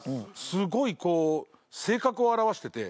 すごいこう性格を表してて。